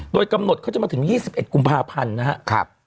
โดยกำหนดเขาจะมาถึง๒๑กุมภาพันธ์นะครับ